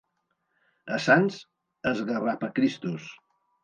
A Sants, esgarrapacristos.